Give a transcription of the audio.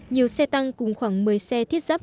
nhiều xe tăng cùng khoảng một mươi xe thiết giáp